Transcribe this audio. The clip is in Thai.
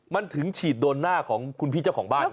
มันถึงฉีดโดนหน้าของคุณพี่เจ้าของบ้านไง